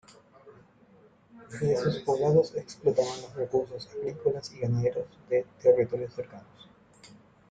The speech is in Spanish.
Desde sus poblados explotaban los recursos agrícolas y ganaderos de territorio cercano.